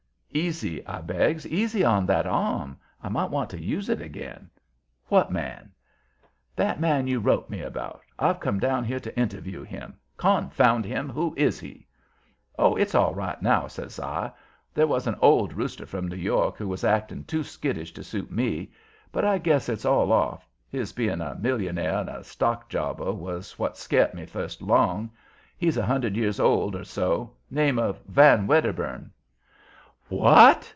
"Easy," I begs. "Easy on that arm. I might want to use it again. What man?" "That man you wrote me about. I've come down here to interview him. Confound him! Who is he?" "Oh, it's all right now," says I. "There was an old rooster from New York who was acting too skittish to suit me, but I guess it's all off. His being a millionaire and a stock jobber was what scart me fust along. He's a hundred years old or so; name of Van Wedderburn." "WHAT?"